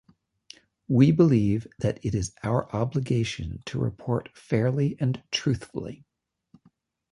We believe that it is our obligation to report fairly and truthfully.